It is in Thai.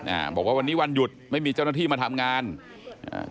อ่าบอกว่าวันนี้วันหยุดไม่มีเจ้าหน้าที่มาทำงานอ่า